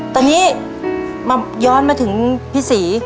ตอนนี้มาย้อนมาถึงพี่ศรี